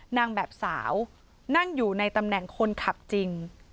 นางแบบสาวนั่งอยู่ในตำแหน่งคนขับจริง